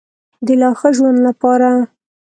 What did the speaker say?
د لا ښه ژوند لپاره.